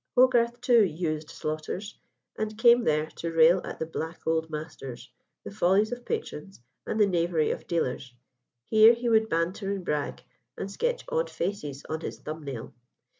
Hogarth, too, "used" Slaughter's, and came there to rail at the "black old masters," the follies of patrons, and the knavery of dealers. Here he would banter and brag, and sketch odd faces on his thumb nail.